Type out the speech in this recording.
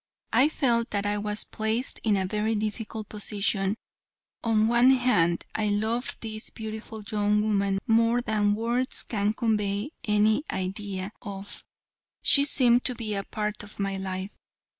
I felt that I was placed in a very difficult position. On the one hand, I loved this beautiful young woman more than words can convey any idea of. She seemed to be a part of my life.